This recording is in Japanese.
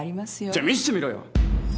じゃ見せてみろよ！